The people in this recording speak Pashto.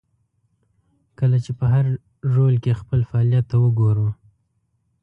کله چې په هر رول کې خپل فعالیت ته وګورو.